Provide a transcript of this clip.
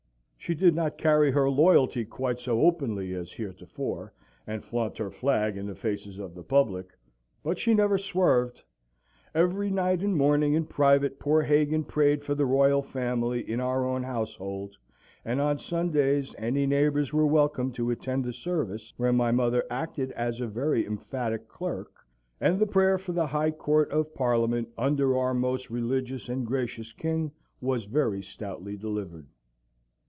She did not carry her loyalty quite so openly as heretofore, and flaunt her flag in the faces of the public, but she never swerved. Every night and morning in private poor Hagan prayed for the Royal Family in our own household, and on Sundays any neighbours were welcome to attend the service, where my mother acted as a very emphatic clerk, and the prayer for the High Court of Parliament under our most religious and gracious King was very stoutly delivered.